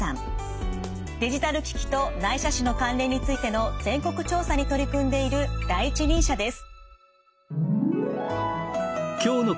デジタル機器と内斜視の関連についての全国調査に取り組んでいる第一人者です。